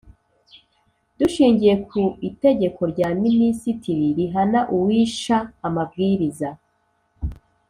Dushingiye ku itegeko rya Minisitiri rihana uwisha amabwiriza